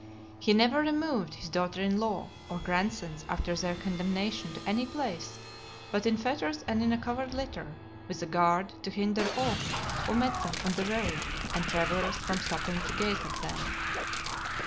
LXIV. He never removed his daughter in law, or grandsons , after their condemnation, to any place, but in fetters and in a covered litter, with a guard to hinder all who met them on the road, and travellers, from stopping to gaze at them.